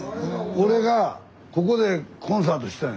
俺がここでコンサートしたんや。